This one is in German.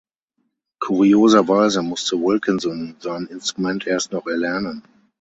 Kurioserweise musste Wilkinson sein Instrument erst noch erlernen.